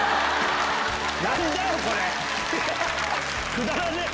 くだらねえ！